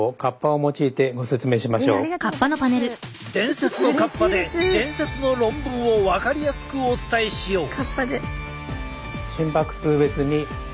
伝説のカッパで伝説の論文を分かりやすくお伝えしよう。